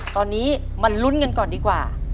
ตอนนี้มาลุ้นกันก่อนดีกว่า